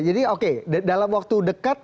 jadi oke dalam waktu dekat